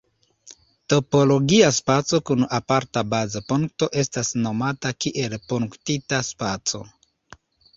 Topologia spaco kun aparta baza punkto estas nomata kiel punktita spaco.